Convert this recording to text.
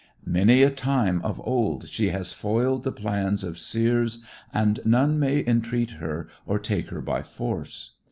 Many a time of old she has foiled the plans of seers and none may entreat her or take her by force.